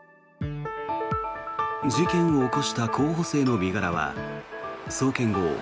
事件を起こした候補生の身柄は送検後